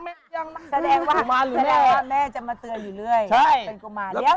แสดงว่าแม่จะมาเตือนอยู่ไว้